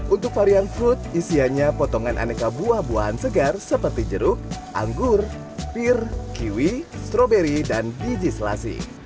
untuk varian fruit isiannya potongan aneka buah buahan segar seperti jeruk anggur pir kiwi stroberi dan biji selasi